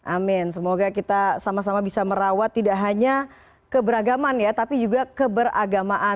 amin semoga kita sama sama bisa merawat tidak hanya keberagaman ya tapi juga keberagamaan